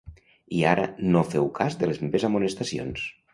I, ara, no feu cas de les meves amonestacions.